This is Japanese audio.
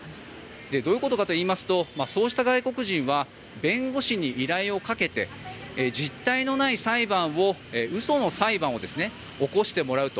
どういうことかといいますとそうした外国人は弁護士に依頼をかけて実体のない裁判を嘘の裁判を起こしてもらうと。